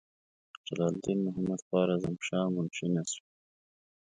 جلال الدین محمدخوارزمشاه منشي نسوي.